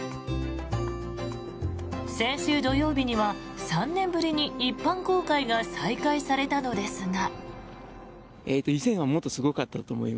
先週土曜日には３年ぶりに一般公開が再開されたのですが。